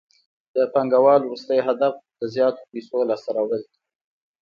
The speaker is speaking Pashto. د پانګوال وروستی هدف د زیاتو پیسو لاسته راوړل دي